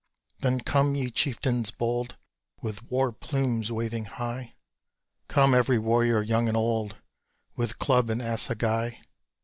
Then come ye chieftains bold, With war plumes waving high; Come, every warrior, young and old, With club and assegai.